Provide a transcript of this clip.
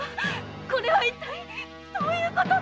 これは一体どういうことで。